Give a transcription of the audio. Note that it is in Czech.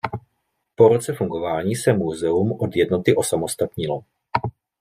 Po roce fungování se muzeum od jednoty osamostatnilo.